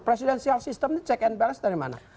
nah presidential system check and balance dari mana